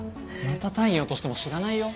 また単位落としても知らないよ。